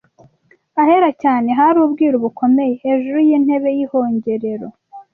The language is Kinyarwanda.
Ahera cyane hari ubwiru bukomeye: hejuru y’intebe y’ihongerero